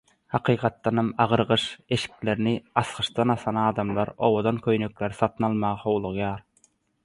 Hakykatdanam agyr gyş eşiklerini asgyçdan asan adamlar owadan köýnekleri satyn almaga howlugýar.